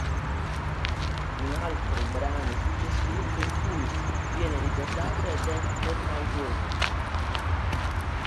Un altro brano suggestivo con cui viene ricordato è "Devil Got My Woman".